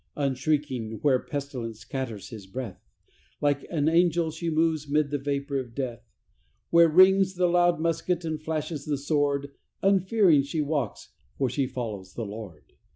Unshrinking where pestilence scatters his breath, Like an angel she moves mid the vapor of death, Where rings the loud musket and flashes the sword Unfearing she walks, for she follows the Lord.